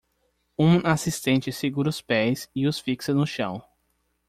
Um assistente segura os pés e os fixa no chão.